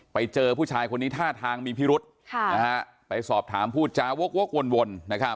ไปเจอผู้ชายคนนี้ท่าทางมีพิรุษไปสอบถามพูดจาวกวน